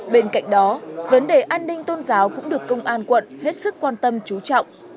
bên cạnh đó vấn đề an ninh tôn giáo cũng được công an quận hết sức quan tâm chú trọng